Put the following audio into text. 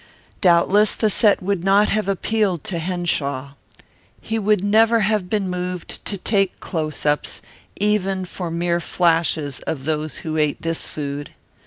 Doubtless the set would not have appealed to Henshaw. He would never have been moved to take close ups, even for mere flashes, of those who ate this food.